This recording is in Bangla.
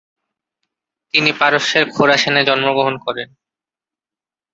তিনি পারস্যের খোরাসানে জন্মগ্রহণ করে।